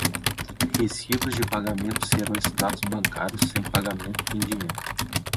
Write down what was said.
Recibos de pagamento serão extratos bancários sem pagamento em dinheiro.